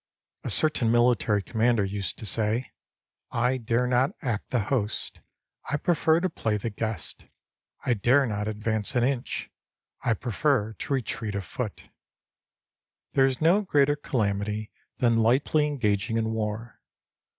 A certain military commander used to say :" I dare not act the host ; I prefer to play the guest.* I dare not advance an inch ; I prefer to retreat a foot." There is no greater calamity than lightly engaging in war.